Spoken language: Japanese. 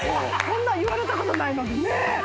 こんなん言われたことないのでね。